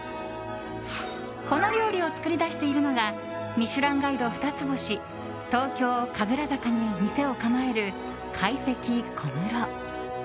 この料理を作り出しているのが「ミシュランガイド」二つ星東京・神楽坂に店を構える懐石小室。